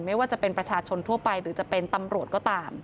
ไม่ว่าจะเป็นประชาชนทั่วไปหรือจะเป็นตำรวจก็ตาม